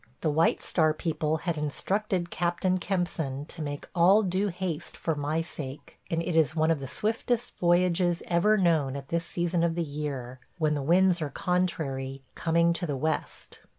The White Star people had instructed Captain Kempson to make all due haste for my sake, and it is one of the swiftest voyages ever known at this season of the year, when the winds are contrary, coming to the west.